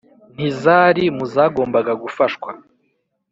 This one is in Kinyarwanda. ntizari mu zagombaga gufashwa.